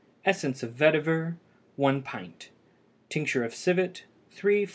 Essence of vetiver 1 pint. Tincture of civet 3 fl.